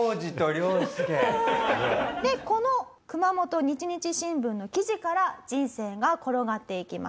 でこの『熊本日日新聞』の記事から人生が転がっていきます。